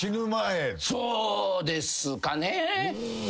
そうですかね。